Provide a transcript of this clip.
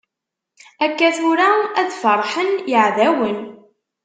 Akka tura ad ferḥen yeɛdawen.